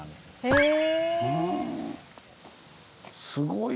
へえ。